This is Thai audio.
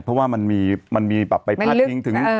เพราะว่ามันมีมันมีแบบไปพาดทิ้งถึง